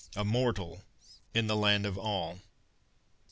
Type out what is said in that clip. A mortal in the land of All!